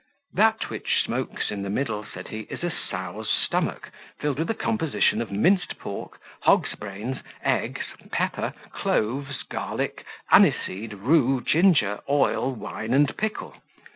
"That which smokes in the middle," said he, "is a sow's stomach, filled with a composition of minced pork, hog's brains, eggs, pepper, cloves, garlic, aniseed, rue, ginger, oil, wine, and pickle.